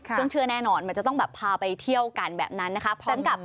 เพิ่งเชื่อแน่นอนมันจะต้องแบบพาไปเที่ยวกันแบบนั้นนะครับ